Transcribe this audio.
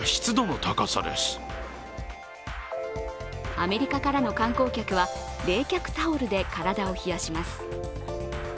アメリカからの観光客は冷却タオルで体を冷やします。